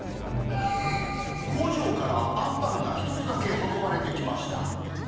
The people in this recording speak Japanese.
工場からあんぱんが１つだけ運ばれてきました。